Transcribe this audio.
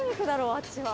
あっちは。